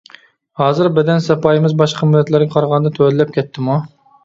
ھازىر بەدەن ساپايىمىز باشقا مىللەتلەرگە قارىغاندا تۆۋەنلەپ كەتتىمۇ.